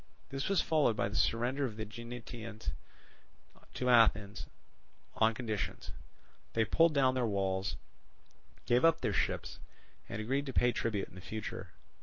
This was followed by the surrender of the Aeginetans to Athens on conditions; they pulled down their walls, gave up their ships, and agreed to pay tribute in future.